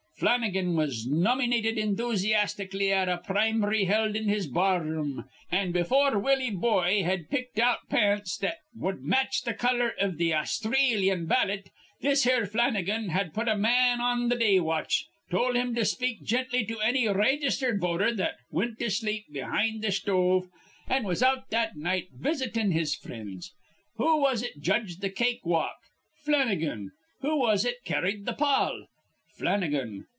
Flannigan was nomynated enthusyastically at a prim'ry held in his bar rn; an' before Willie Boye had picked out pants that wud match th' color iv th' Austhreelyan ballot this here Flannigan had put a man on th' day watch, tol' him to speak gently to anny ray gistered voter that wint to sleep behind th' sthove, an' was out that night visitin' his frinds. Who was it judged th' cake walk? Flannigan. Who was it carrid th' pall? Flannigan.